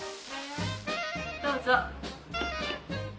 どうぞ！